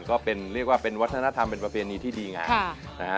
ก็เป็นเรียกว่าวัฒนธรรมเป็นอเภณีที่ดีนะฮะ